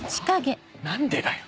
何でだよ！